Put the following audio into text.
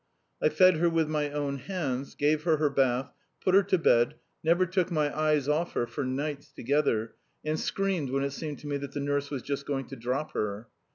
I fed her with my own hands, gave her her bath, put her to bed, never took my eyes off her for nights together, and screamed when it seemed to me that the nurse was just going to drop her.